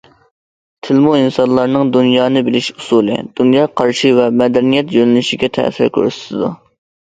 تىلمۇ ئىنسانلارنىڭ دۇنيانى بىلىش ئۇسۇلى، دۇنيا قارىشى ۋە مەدەنىيەت يۆنىلىشىگە تەسىر كۆرسىتىدۇ.